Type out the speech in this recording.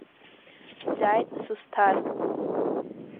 Дҵааит Сусҭар.